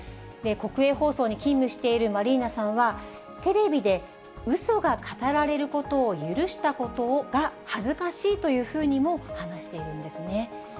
国営放送に勤務しているマリーナさんは、テレビでうそが語られることを許したことが恥ずかしいとも話しているんですね。